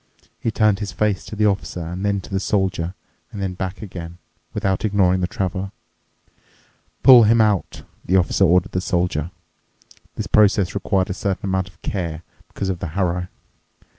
He turned his face to the Officer and then to the Soldier and then back again, without ignoring the Traveler. "Pull him out," the Officer ordered the Soldier. This process required a certain amount of care because of the harrow.